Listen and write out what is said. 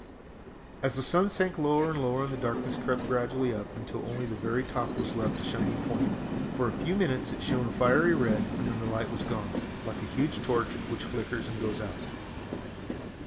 "As the sun sank lower and lower the darkness crept gradually up until only the very top was left a shining point. For a few minutes it shone a fiery red and then the light was gone like a huge torch which flickers and goes out.